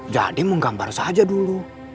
jadi menggambar saja dulu